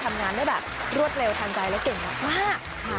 ทำงานได้แบบรวดเร็วทันใจและเก่งมาก